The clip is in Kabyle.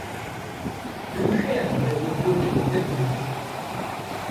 Amek ay iɛedda wayyur-nnek n tamemt?